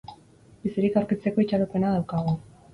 Bizirik aurkitzeko itxaropena daukagu.